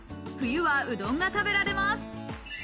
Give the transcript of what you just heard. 冬は、うどんが食べられます。